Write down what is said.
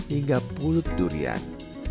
hingga bulut durian